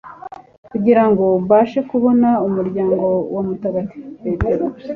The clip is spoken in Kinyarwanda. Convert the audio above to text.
kugirango mbashe kubona umuryango wa Mutagatifu Petero